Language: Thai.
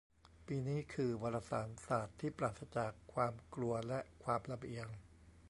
ปีนี้ คือ "วารสารศาสตร์ที่ปราศจากความกลัวและความลำเอียง"